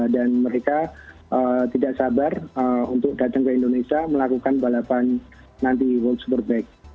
dan mereka tidak sabar untuk datang ke indonesia melakukan balapan nanti world superbike